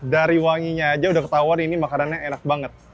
dari wanginya aja udah ketahuan ini makanannya enak banget